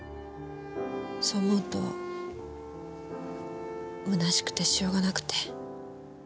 そう思うと虚しくてしょうがなくて。